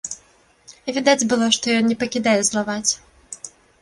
Відаць было, што ён не пакідае злаваць.